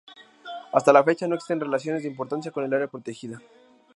Hasta la fecha no existen relaciones de importancia con el área protegida.